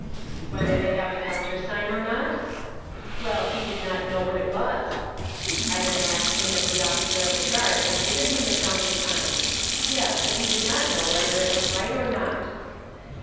Whether they have the countersign or not? Well, he did not know how that was. I then asked him if the officer of the guard had given him the countersign. Yes, but he did not know whether it was right or not.